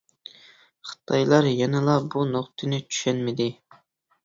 خىتايلار يەنىلا بۇ نۇقتىنى چۈشەنمىدى.